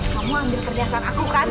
kamu ambil kerjasan aku kan